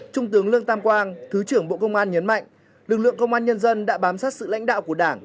trung tướng lương tam quang thứ trưởng bộ công an nhấn mạnh lực lượng công an nhân dân đã bám sát sự lãnh đạo của đảng